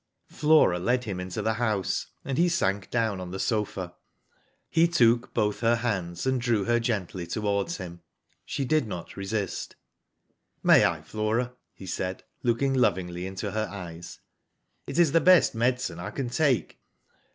Flora led him into the house, and he sank down on the sofa. He took both her hands and drew her gently towards him. She did not resist. " May I, Flora "; he said, looking lovingly into her eyes; "i't is the best medicine I can take."